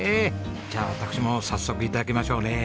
じゃあ私も早速頂きましょうね。